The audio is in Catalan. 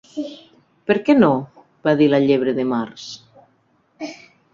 "Per què no?", va dir la Llebre de Març.